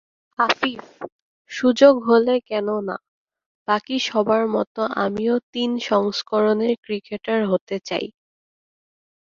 আফিফ: সুযোগ হলে কেন না! বাকি সবার মতো আমিও তিন সংস্করণের ক্রিকেটার হতে চাই।